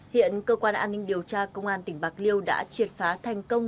hiện cơ quan an ninh điều tra công an tỉnh bạc liêu đã triệt phá thành công